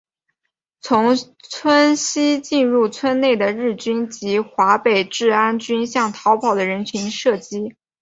从村西进入村内的日军及华北治安军向逃跑的人群射击。